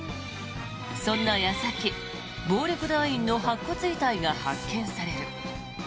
そんな矢先、暴力団員の白骨遺体が発見される。